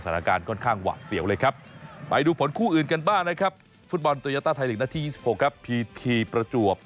สถานการณ์ค่อนข้างหวะเสี่ยวเลยครับ